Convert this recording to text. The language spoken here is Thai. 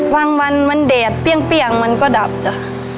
วางวันมันเด็ดเปี้ยงมันก็ดับจ๊ะ